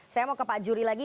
saya mau ke pak juri lagi